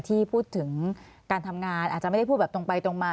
ที่พูดถึงการทำงานอาจจะไม่ได้พูดแบบตรงไปตรงมา